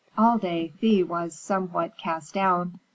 All day Thea was somewhat cast down.